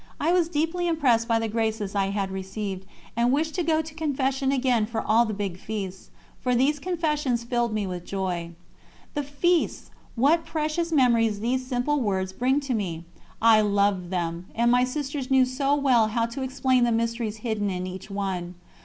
I was deeply impressed by the graces I had received, and wished to go to confession again for all the big feasts, for these confessions filled me with joy. The feasts! What precious memories these simple words bring to me. I loved them; and my sisters knew so well how to explain the mysteries hidden in each one.